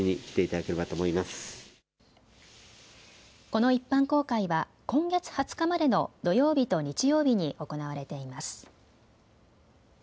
この一般公開は今月２０日までの土曜日と日曜日に行われています。